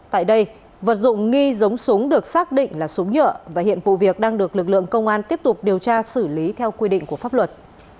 tại đây vật dụng nghi giống súng được xác định là súng nhựa và hiện vụ việc đang được lực lượng công an tiếp tục điều tra xử lý theo quy định của pháp luật